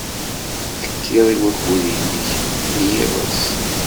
Tekkid i wakud-nnek n yiḍes.